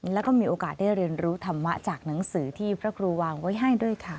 แล้วก็มีโอกาสได้เรียนรู้ธรรมะจากหนังสือที่พระครูวางไว้ให้ด้วยค่ะ